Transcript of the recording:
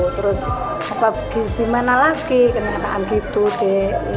terus gimana lagi kenyataan gitu deh